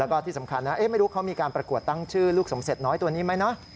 แล้วก็ที่สำคัญนะไม่รู้เขามีการประกวดตั้งชื่อลูกสมเสร็จน้อยตัวนี้ไหมเนาะ